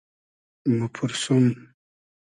موپورسوم